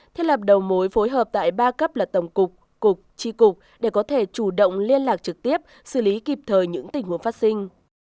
thiết lập đầu mối phối hợp tại ba cấp là tổng cục cục tri cục để có thể chủ động liên lạc trực tiếp xử lý kịp thời những tình huống phát sinh